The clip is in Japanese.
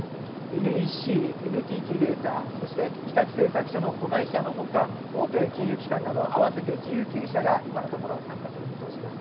ＮＥＣ、ＮＴＴデータ、そして日立製作所の子会社のほか、大手金融機関など合わせて１９社が今のところ、参加する見通しです。